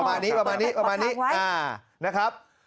อ่านะครับประมาณนี้นะครับ